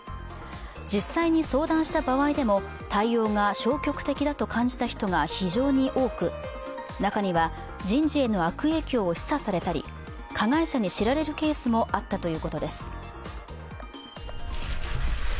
実際に相談した場合でも対応が消極的だと感じた人が非常に多く中には人事への悪影響を示唆されたり加害者に知られるケースもあったということです。